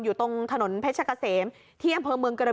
อยู่ตรงถนนเพชรกะเสมเที่ยงเพิ่มเมืองกระบี่